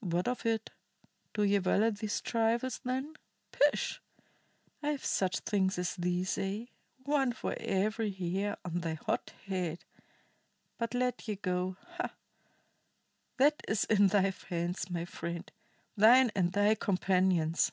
What of it? Do ye value these trifles, then? Pish! I have such things as these, aye, one for every hair on thy hot head. But let ye go ha! That is in thy hands, my friend, thine and thy companions."